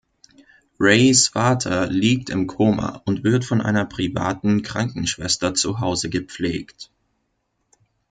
Rays Vater liegt im Koma und wird von einer privaten Krankenschwester zuhause gepflegt.